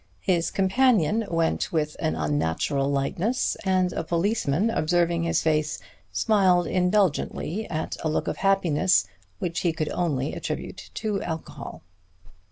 His companion went with an unnatural lightness, and a policeman observing his face, smiled indulgently at a look of happiness which he could only attribute to alcohol.